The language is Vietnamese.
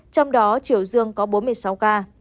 trong đó triều dương có bốn mươi sáu ca